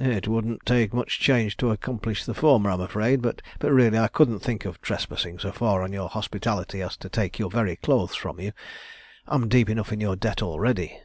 "It wouldn't take much change to accomplish the former, I'm afraid. But, really, I couldn't think of trespassing so far on your hospitality as to take your very clothes from you. I'm deep enough in your debt already."